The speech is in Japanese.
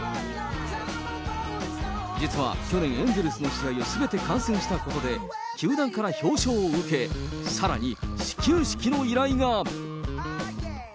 実は去年、エンゼルスの試合をすべて観戦したことで、球団から表彰を受け、さらに始球式の依頼が。